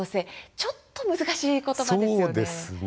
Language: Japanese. ちょっと難しいことばですよね。